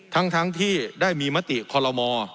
ทั้งที่ได้มีมติคอลโลมอ